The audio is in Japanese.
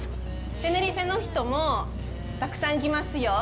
テネリフェの人も、たくさん来ますよ。